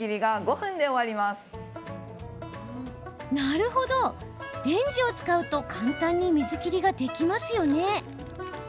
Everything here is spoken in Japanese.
なるほど、レンジを使うと簡単に水切りができますよね。